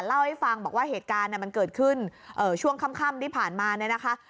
เล่าให้ฟังบอกว่าเหตุการณ์มันเกิดขึ้นช่วงค่ำที่ผ่านมาเนี่ยนะคะ